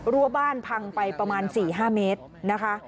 รั้วบ้านพังไปประมาณ๔๕เมตรนะคะ